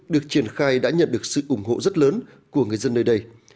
được triển khai đã nhận được sự ủng hộ rất lớn của người dân nơi đây